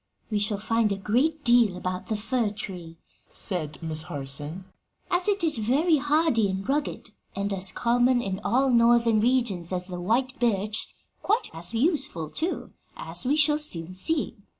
"We shall find a great deal about the fir tree," said Miss Harson, "as it is very hardy and rugged, and as common in all Northern regions as the white birch quite as useful, too, as we shall soon see.